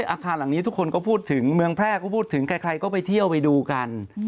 อาคารหลังนี้ทุกคนก็พูดถึงเมืองแพร่ก็พูดถึงใครก็ไปเที่ยวไปดูกัน